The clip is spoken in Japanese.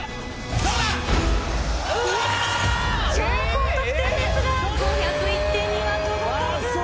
どうだ⁉超高得点ですが５０１点には届かず。